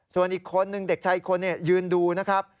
ส่วนอีกคนนึงเด็กชายอีกคนยืนดูนะครับ